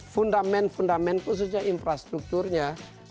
fundament fundament khususnya infrastrukturnya